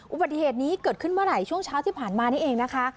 อุบัติเหตุนี้เกิดขึ้นเมื่อไหร่ช่วงเช้าที่ผ่านมานี่เองนะคะ